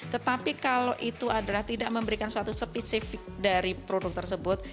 tetapi kalau itu adalah tidak memberikan suatu spesifik dari produk tersebut